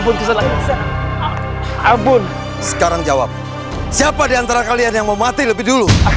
ampun ke dalam abu abu sekarang jawab siapa diantara kalian yang mau mati lebih dulu